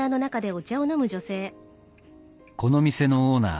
この店のオーナー